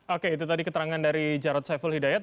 oke itu tadi keterangan dari jarod saiful hidayat